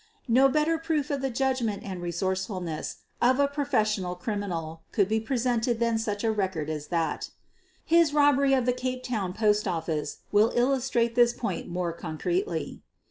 No better proof of the judgment and resourcefulness of a professional criminal could be presented than such a record as that. His robbery of the Cape Town Post Office will illustrate this point more concretely.